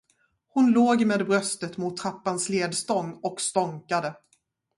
Hon låg med bröstet mot trappans ledstång och stånkade.